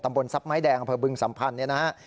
บนทรัพย์ไม้แดงอำเภอบึงสัมพันธ์เนี่ยนะฮะ